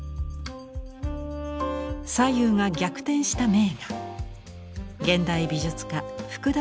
左右が逆転した名画現代美術家福田